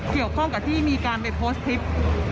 เกี่ยวข้องกับที่มีการไปโพสต์คลิป